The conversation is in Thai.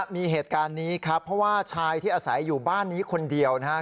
มีเหตุการณ์นี้ครับเพราะว่าชายที่อาศัยอยู่บ้านนี้คนเดียวนะครับ